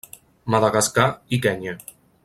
Madagascar i Kenya.